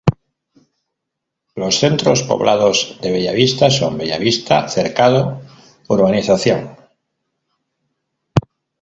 Los centros poblados de Bellavista son: Bellavista Cercado, Urb.